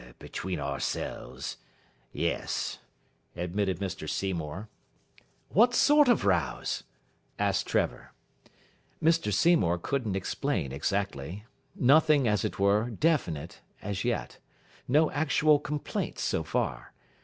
"Between ourselves, yes," admitted Mr Seymour. "What sort of rows?" asked Trevor. Mr Seymour couldn't explain exactly. Nothing, as it were, definite as yet. No actual complaints so far.